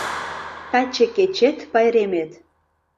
Таче кечет — пайремет.